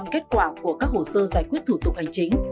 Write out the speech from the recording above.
một trăm linh kết quả của các hồ sơ giải quyết thủ tục hành chính